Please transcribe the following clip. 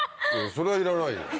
それはいらないよ。